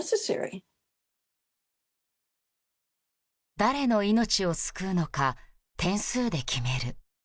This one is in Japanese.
誰の命を救うのか点数で決める。